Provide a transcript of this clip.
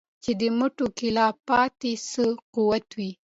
چي دي مټو كي لا پاته څه قوت وي